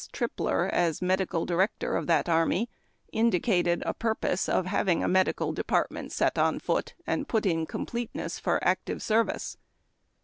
Tri[)ler as medical director of that army indicucd ;i, purpose of liaving a medical department set on fool :in«l put in completeness for active service.